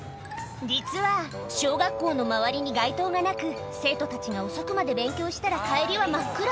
実は、小学校の周りに街灯がなく、生徒たちが遅くまで勉強したら帰りは真っ暗。